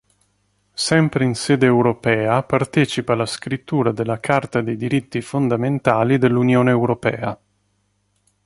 Sempre in sede europea partecipa alla scrittura della Carta dei diritti fondamentali dell'Unione europea.